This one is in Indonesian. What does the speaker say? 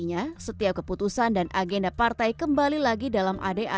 artinya setiap keputusan dan agenda partai kembali lagi berubah menjadi ekonomi